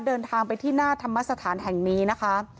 เดินทางไปที่หน้าธรรมสถานแห่งนี้นะคะ